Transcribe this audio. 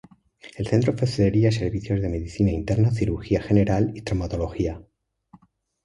El centro ofrecería servicios de medicina interna, cirugía general, traumatología.